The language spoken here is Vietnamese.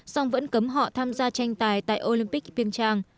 song vẫn cấm họ tham gia tranh tài tại olympic piêng trang